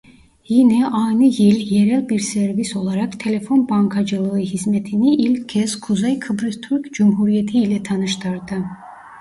Yine aynı yıl yerel bir servis olarak Telefon Bankacılığı Hizmeti'ni ilk kez Kuzey Kıbrıs Türk Cumhuriyeti ile tanıştırdı.